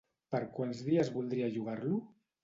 Per quants dies voldria llogar-lo?